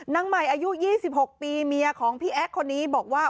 นางใหม่อายุ๒๖ปีเมียของพี่แอ๊กคนนี้บอกว่า